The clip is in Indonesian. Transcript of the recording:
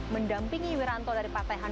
mendampingi wiranto dari partai hanura